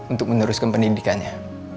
untuk meneruskan pendidikannya